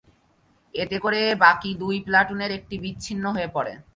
এতে করে বাকি দুই প্লাটুনের একটি বিচ্ছিন্ন হয়ে পড়ে।